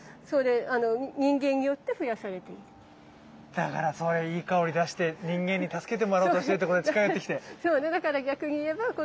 だからそういういい香り出して人間に助けてもらおうとしてこれ近寄ってきて。